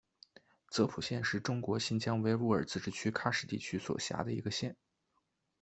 泽普县是中国新疆维吾尔自治区喀什地区所辖的一个县。